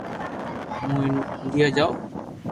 ھون انڌيا جاو